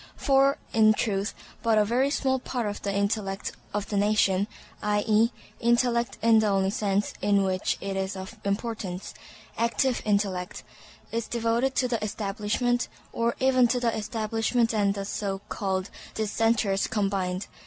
For, in truth, but a very small part of the intellect of the nation—i.e., intellect in the only sense in which it is of importance—active intellect, is devoted to the Establishment or even to the Establishment and the so called Dissenters combined.